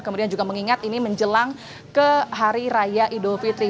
kemudian juga mengingat ini menjelang ke hari raya idul fitri